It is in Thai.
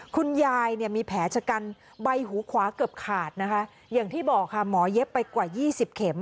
คุณยายเนี่ยมีแผลชะกันใบหูขวาเกือบขาดนะคะอย่างที่บอกค่ะหมอเย็บไปกว่ายี่สิบเข็ม